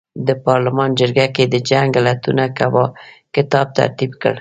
د پارلمان جرګه ګۍ د جنګ علتونو کتاب ترتیب کړ.